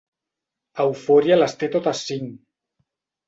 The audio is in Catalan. Eufòria les té totes cinc.